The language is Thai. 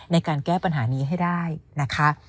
ในการแก้ปัญหานี้ให้ได้นะคะ